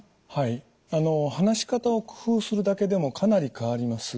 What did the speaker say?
話し方を工夫するだけでもかなり変わります。